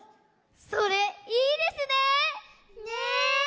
それいいですね。ね。